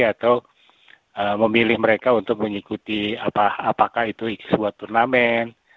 atau memilih mereka untuk mengikuti apakah itu sebuah turnamen